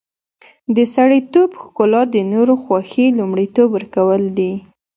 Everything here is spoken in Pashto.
د سړیتوب ښکلا د نورو خوښي لومړیتوب ورکول دي.